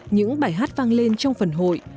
những bài hát vang lên trong phần hội